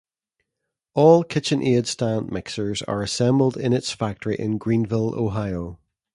All KitchenAid stand mixers are assembled in its factory in Greenville, Ohio.